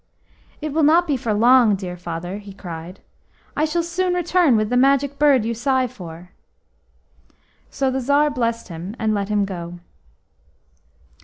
"It will not be for long, dear Father," he cried. "I shall soon return with the Magic Bird you sigh for." So the Tsar blessed him, and let him go.